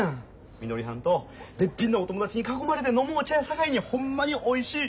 みのりはんとべっぴんのお友達に囲まれて飲むお茶やさかいにホンマにおいしい。